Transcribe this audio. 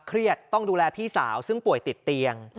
ต้องดูแลพี่สาวซึ่งป่วยติดเตียง